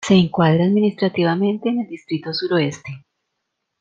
Se encuadra administrativamente en el distrito Suroeste.